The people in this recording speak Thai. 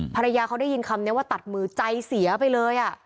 ภรรยาเขาได้ยินคำนี้ว่าตัดมือใจเสียไปเลย